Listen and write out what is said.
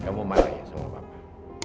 kamu marah ya sama bapak